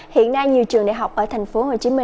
hiện nay nhiều trường đại học ở tp hcm